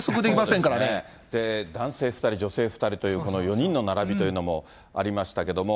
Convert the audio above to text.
男性２人、女性２人という、この４人の並びというのもありましたけども。